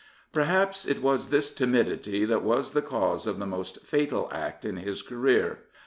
Perhaps it was this timidity that was the cause of the most fatal act in his career.